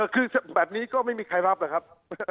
คือแบบนี้ก็ไม่มีใครรับหรอกครับ